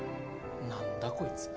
何だこいつ